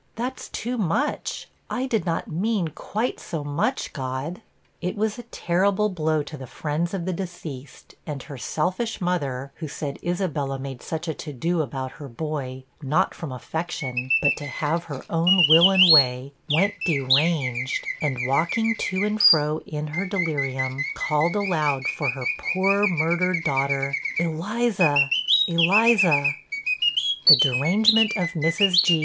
that's too much I did not mean quite so much, God!' It was a terrible blow to the friends of the deceased; and her selfish mother (who, said Isabella, made such a 'to do about her boy, not from affection, but to have her own will and way') went deranged, and walking to and fro in her delirium, called aloud for her poor murdered daughter 'Eliza! Eliza! ' The derangement of Mrs. G.